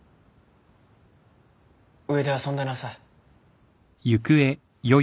上で遊んでなさい。